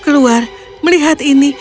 keluar melihat ini